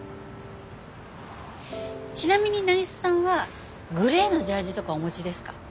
ちなみに渚さんはグレーのジャージーとかお持ちですか？